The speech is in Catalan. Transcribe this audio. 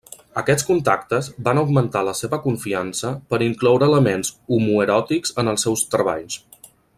Aquests contactes van augmentar la seva confiança per incloure elements homoeròtics en els seus treballs.